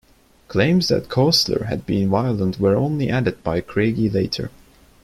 Claims that Koestler had been violent were only added by Craigie later.